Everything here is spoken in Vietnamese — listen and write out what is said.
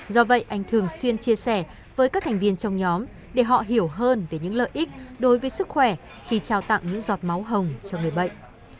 do vậy anh thường xuyên chia sẻ với các thành viên trong nhóm để họ hiểu hơn về những lợi ích đối với sức khỏe khi trao tặng những giọt máu hồng cho người bệnh